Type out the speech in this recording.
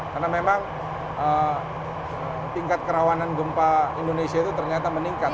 karena memang tingkat kerawanan gempa indonesia itu ternyata meningkat